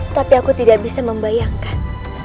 tapi aku tidak bisa membayangkan